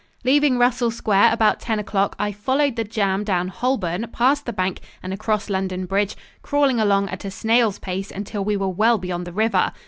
Leaving Russell Square about ten o'clock, I followed the jam down Holborn past the Bank and across London Bridge, crawling along at a snail's pace until we were well beyond the river.